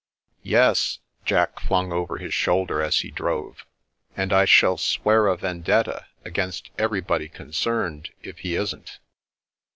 " Yes," Jack fiung over his shoulder as he drove; "and I shall swear a vendetta against everybody concerned, if he isn't."